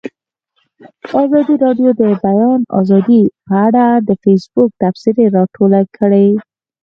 ازادي راډیو د د بیان آزادي په اړه د فیسبوک تبصرې راټولې کړي.